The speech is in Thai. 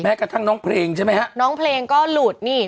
กระทั่งน้องเพลงใช่ไหมฮะน้องเพลงก็หลุดนี่